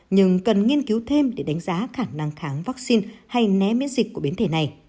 nhưng cần nghiên cứu thêm để đánh giá khả năng kháng vaccine hay né miễn dịch của biến thể này